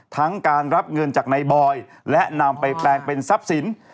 ทั้งการรับเงินจากนายบอยและนำไปแปลงเป็นทรัพย์สิน